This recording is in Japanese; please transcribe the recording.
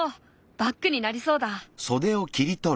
バッグになりそうだ。